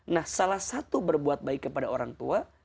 nah salah satu berbuat baik kepada orang tua